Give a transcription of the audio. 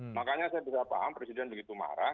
makanya saya bisa paham presiden begitu marah